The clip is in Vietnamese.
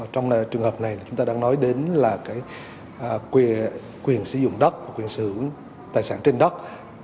trong trường hợp này chúng ta đang nói đến là quyền sử dụng đất quyền sử tài sản trên đất